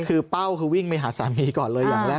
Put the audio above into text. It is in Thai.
คือเป้าคือวิ่งไปหาสามีก่อนเลยอย่างแรก